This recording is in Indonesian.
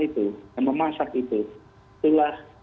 itu yang memasak itu itulah